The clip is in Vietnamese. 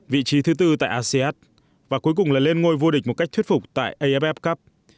vị trí thứ tư tại asean và cuối cùng là lên ngôi vô địch một cách thuyết phục tại aff cup